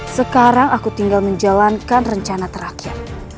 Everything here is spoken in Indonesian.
sekarang aku tinggal menjalankan rencana terakhir